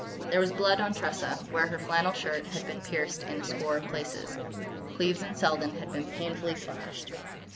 There was blood on Tressa, where her flannel shirt had been pierced in a score of places. Cleves and Selden had been painfully slashed.